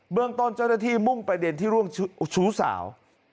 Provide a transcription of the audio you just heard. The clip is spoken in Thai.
เรื่องต้นเจ้าหน้าที่มุ่งประเด็นที่ร่วงชู้สาว